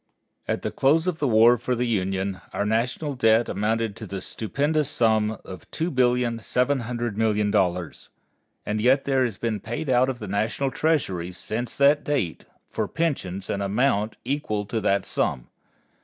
At the close of the War for the Union our national debt amounted to the stupendous sum of $2,700,000,000. And yet there has been paid out of the National Treasury, since that date, for pensions an amount equal to that sum.